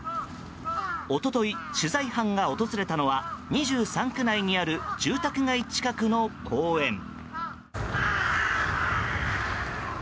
一昨日、取材班が訪れたのは２３区内にある住宅街近くの公園。